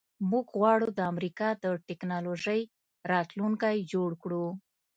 موږ غواړو د امریکا د ټیکنالوژۍ راتلونکی جوړ کړو